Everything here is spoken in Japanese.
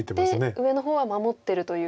上の方は守ってるという手ですね。